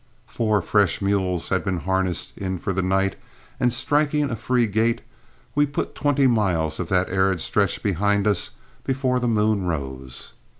Four fresh mules had been harnessed in for the night, and striking a free gait, we put twenty miles of that arid stretch behind us before the moon rose.